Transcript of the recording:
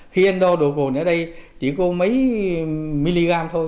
khi anh đo đồ cồn ở đây chỉ có mấy miligram thôi